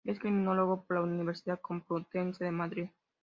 Es criminólogo por la Universidad Complutense de Madrid.